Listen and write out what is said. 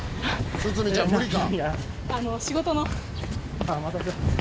「堤ちゃん無理か？」